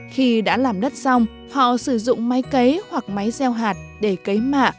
khi đã làm đất xong họ sử dụng máy cấy hoặc máy gieo hạt để cấy mạ